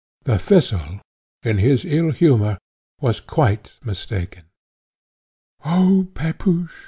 The Thistle, in his ill humour, was quite mistaken. "Oh, Pepusch!"